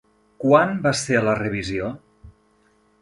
Quan va ser la revisió?